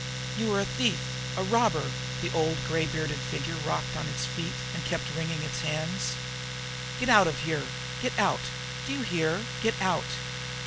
"You are a thief, a robber!" The old gray bearded figure rocked on its feet and kept wringing its hands. "Get out of here! Get out! Do you hear? Get out!